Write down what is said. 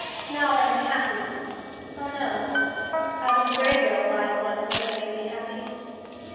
Now I am happy! Oh, no. Out in the graveyard lies one who could have made me happy.